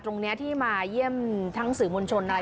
ง่ายพูดสั้นก็ได้